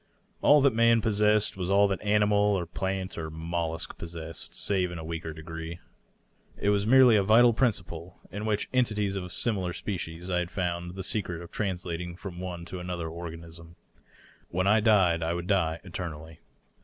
All that man possessed was all that animal or plant or mollusk possessed, save in a weaker degree. It was merely a vital principle, which in en tities of a similar species I had found the secret of translating from one to another organism. When I died I would die eternally.